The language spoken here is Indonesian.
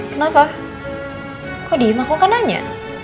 kenapa kok diimah kau kan nanya